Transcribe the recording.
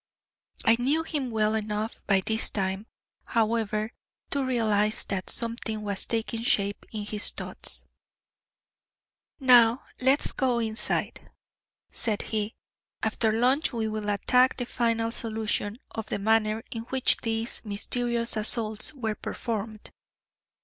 I knew him well enough by this time, however, to realize that something was taking shape in his thoughts. "Now, let us go inside," said he. "After lunch we will attack the final solution of the manner in which these mysterious assaults were performed.